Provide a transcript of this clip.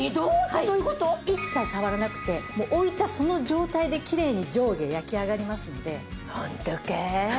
一切触らなくて置いたその状態できれいに上下焼き上がりますので。